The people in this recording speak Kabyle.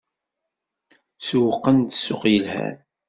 Sewwqen-d ssuq yelhan.